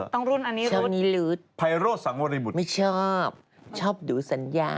ต้องรุ่นอันนี้รูดชอบนี้รูดไม่ชอบชอบดูสัญญา